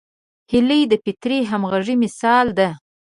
هیلۍ د فطري همغږۍ مثال ده